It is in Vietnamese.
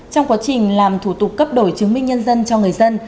trong quá trình làm thủ tục cấp đổi chứng minh nhân dân cho người dân